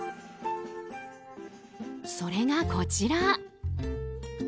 それが、こちら。